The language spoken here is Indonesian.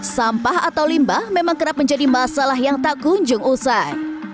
sampah atau limbah memang kerap menjadi masalah yang tak kunjung usai